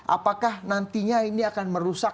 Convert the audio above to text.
apakah nantinya ini akan merusak